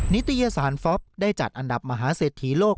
นิตยสารฟอปได้จัดอันดับมหาเศรษฐีโลก